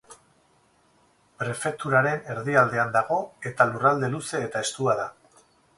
Prefeturaren erdialdean dago eta lurralde luze eta estua da.